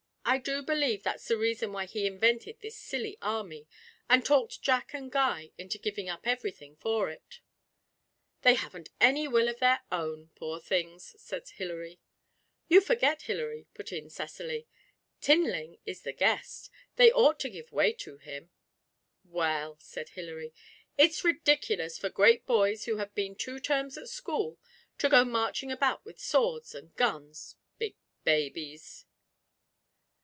I do believe that's the reason why he invented this silly army, and talked Jack and Guy into giving up everything for it.' 'They haven't any will of their own, poor things!' said Hilary. 'You forget, Hilary,' put in Cecily, 'Tinling is the guest. They ought to give way to him.' 'Well,' said Hilary, 'it's ridiculous for great boys who have been two terms at school to go marching about with swords and guns. Big babies!'